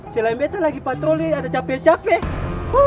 selain bete lagi patroli ada capek capek